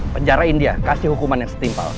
penjarain dia kasih hukuman yang setimpal